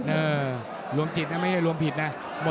เออรวมจิตนะไม่ใช่รวมผิดนะ